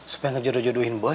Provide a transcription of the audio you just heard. supaya ngejodoh jodohin boy